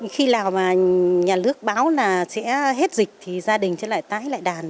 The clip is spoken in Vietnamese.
khi nào nhà nước báo sẽ hết dịch thì gia đình sẽ lại tái lại đàn